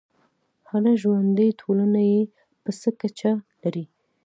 هره ژوندی ټولنه یې په څه کچه لري.